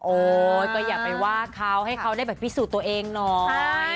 โอ๊ยก็อย่าไปว่าเขาให้เขาได้แบบพิสูจน์ตัวเองหน่อย